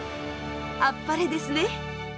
あっぱれですね。